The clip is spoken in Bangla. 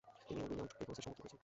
তিনি উইলমট প্রোভিসো সমর্থন করেছিলেন।